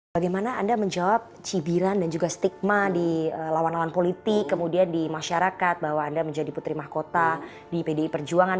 bagaimana anda menjawab cibiran dan juga stigma di lawan lawan politik kemudian di masyarakat bahwa anda menjadi putri mahkota di pdi perjuangan